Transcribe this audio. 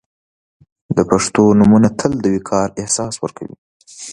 • د پښتو نومونه تل د وقار احساس ورکوي.